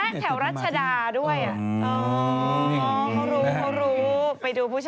อ๋อเขารู้ไปดูผู้ชาย